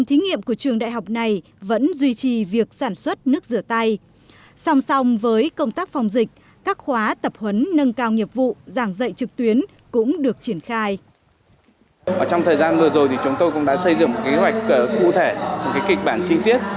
trong thời gian vừa rồi thì chúng tôi cũng đã xây dựng một kế hoạch cụ thể một kịch bản chi tiết